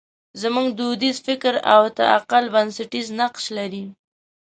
زموږ دودیز فکر او تعقل بنسټیز نقش لري.